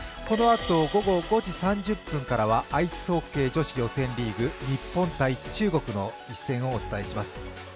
このあと午後５時３０分からはアイスホッケー女子予選リーグ、日本×中国の一戦をお伝えします。